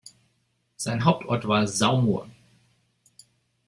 Sein Hauptort war Saumur.